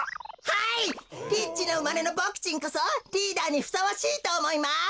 リッチなうまれのボクちんこそリーダーにふさわしいとおもいます！